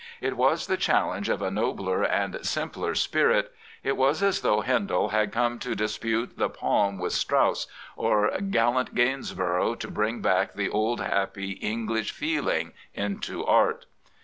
It was the challenge of a nobler and simpler spirit. It was as though Handel had come to dispute the palm with Strauss, or gallant Gainsborough to bring back the old, happy English feeling into art.